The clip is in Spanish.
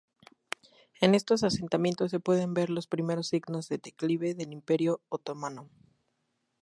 En estos asentamientos se pueden ver los primeros signos de declive del Imperio otomano.